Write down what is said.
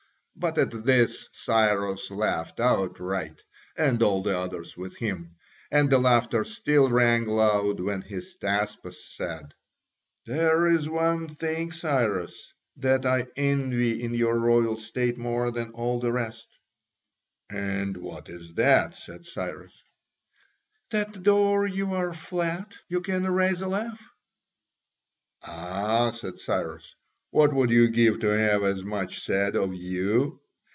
But at this Cyrus laughed outright, and all the others with him. And the laughter still rang loud when Hystaspas said: "There is one thing, Cyrus, that I envy in your royal state more than all the rest." "And what is that?" said Cyrus. "That though you are flat, you can raise a laugh." "Ah," said Cyrus, "what would you give to have as much said of you?